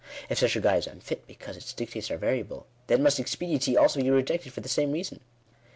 If such a guide is unfit, because its dictates are variable, then must Expe diency also be rejected for the same reason.